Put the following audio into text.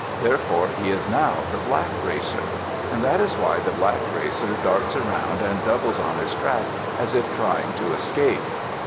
Therefore he is now the black racer. And that is why the black racer darts around and doubles on his track as if trying to escape.